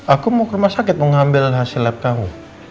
aku mau ke rumah sakit mengambil hasil lab kamu